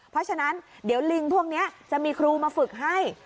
เพราะฉะนั้นเดี๋ยวลิงพวกนี้จะมีครูมาฝึกให้